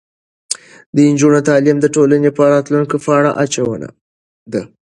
د نجونو تعلیم د ټولنې په راتلونکي پانګه اچونه ده.